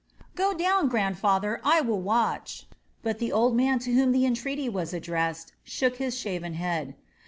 "Go down, grandfather: I will watch." But the old man to whom the entreaty was addressed shook his shaven head.